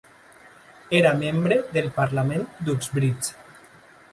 Era membre del parlament d'Uxbridge.